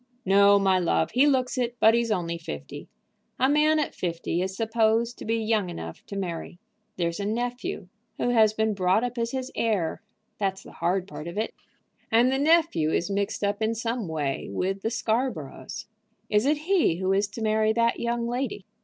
"No, my love. He looks it, but he's only fifty. A man at fifty is supposed to be young enough to marry. There's a nephew who has been brought up as his heir; that's the hard part of it. And the nephew is mixed up in some way with the Scarboroughs." "Is it he who is to marry that young lady?"